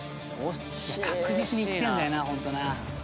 確実に行ってるんだよなホントな。